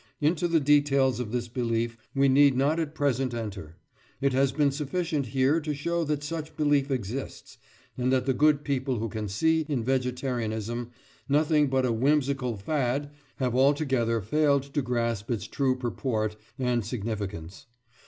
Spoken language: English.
Into the details of this belief we need not at present enter; it has been sufficient here to show that such belief exists, and that the good people who can see in vegetarianism nothing but a whimsical "fad" have altogether failed to grasp its true purport and significance.